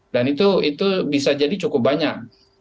dan itu bisa jadi cukup banyak